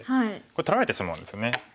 これ取られてしまうんですよね。